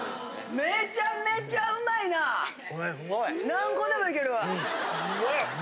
何個でもいけるわ。